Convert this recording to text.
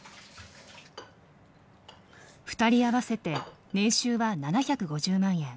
２人合わせて年収は７５０万円。